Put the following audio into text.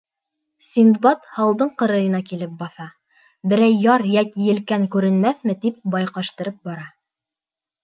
Синдбад һалдың ҡырыйына килеп баҫа, берәй яр йәки елкән күренмәҫме тип, байҡаштырып бара.